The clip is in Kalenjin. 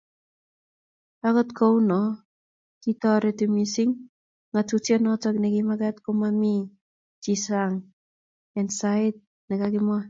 akot kou noe kitoretu mising' ng'atutie noto nemekat komamii chisang' ensait ne kakimwa